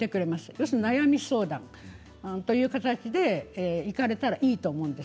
要するに悩み相談という形で行かれたらいいと思うんです。